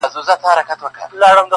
د الف لیله و لیله د کتاب د ریچارډ؛